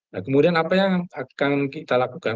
nah kemudian apa yang akan kita lakukan